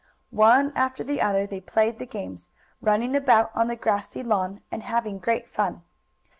One after the other they played the games, running about on the grassy lawn, and having great fun.